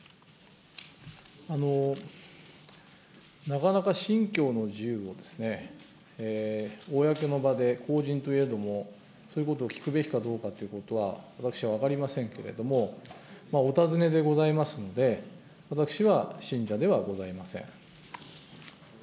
なかなか信教の自由を、公の場で、公人といえども、そういうことを聞くべきかどうかということは私は分かりませんけれども、お尋ねでございますので、私は信者ではございません。